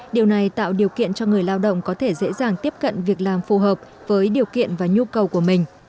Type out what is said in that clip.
điều này tạo điều kiện cho người lao động có thể dễ dàng tiếp cận việc làm phù hợp với điều kiện và nhu cầu của mình